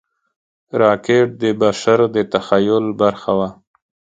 راکټ د بشر د تخیل برخه وه